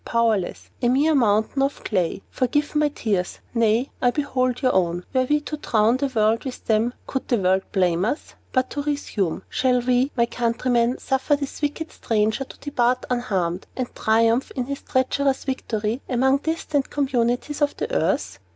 Powerless! A mere mountain of clay! Forgive my tears! Nay, I behold your own. Were we to drown the world with them, could the world blame us? "But to resume: Shall we, my countrymen, suffer this wicked stranger to depart unharmed, and triumph in his treacherous victory, among distant communities of the earth?